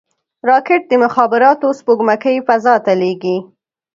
راکټ د مخابراتو سپوږمکۍ فضا ته لیږي